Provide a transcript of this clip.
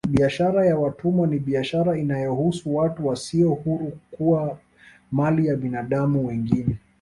Biashara ya watumwa ni biashara inayohusu watu wasio huru kuwa mali ya binadamu wengine